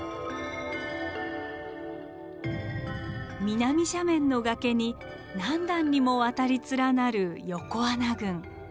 南斜面の崖に何段にもわたり連なる横穴群。